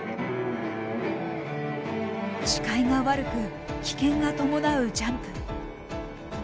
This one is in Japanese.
視界が悪く危険が伴うジャンプ。